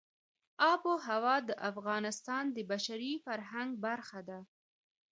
آب وهوا د افغانستان د بشري فرهنګ برخه ده.